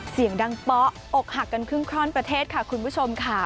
เสียงดังป๊อกหักกันครึ่งคล่อนประเทศค่ะคุณผู้ชมค่ะ